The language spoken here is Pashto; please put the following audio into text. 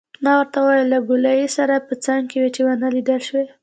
ما ورته وویل: له ګولایي سره په څنګ کې وې، چې ونه لیدل شوې.